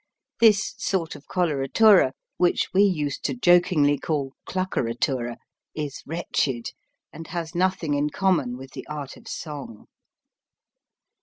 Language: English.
This sort of coloratura, which we used to jokingly call "cluckeratura," is wretched and has nothing in common with the art of song.